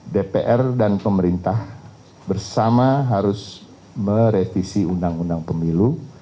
dpr dan pemerintah bersama harus merevisi undang undang pemilu